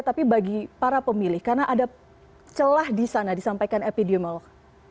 tapi bagi para pemilih karena ada celah di sana disampaikan epidemiolog